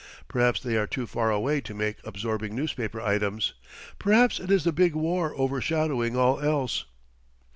Perhaps they are too far away to make absorbing newspaper items; perhaps it is the Big War overshadowing all else.